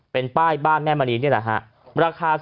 เป็นป้ายบ้านแม่มณีนี่แหละฮะ